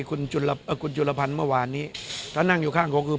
คุณจุลภัณฑ์คุณจุลภัณฑ์เมื่อวานนี้ถ้านั่งอยู่ข้างเขาก็คือ